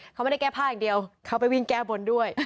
เขาไม่ได้แก้ผ้าอย่างเดียวเขาไปวิ่งแก้บนด้วย